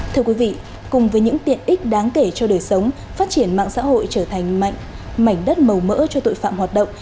thưa quý vị cùng với những tiện ích đáng kể cho đời sống phát triển mạng xã hội trở thành mảnh đất màu mỡ cho tội phạm hoạt động